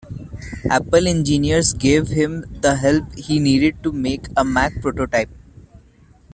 Apple engineers gave him the help he needed to make a Mac prototype.